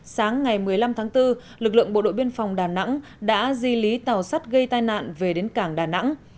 sáng ngày một mươi năm tháng bốn lực lượng bộ đội biên phòng đà nẵng đã di lý tàu sắt gây tai nạn về đến cảng đà nẵng